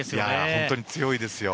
本当に強いですよ